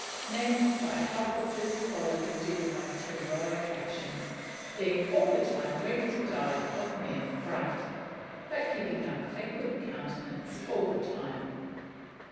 Men by help of this quality do the most heroic actions, being all the time ready to die of mere fright, but keeping up a good countenance all the time.